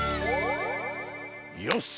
よし。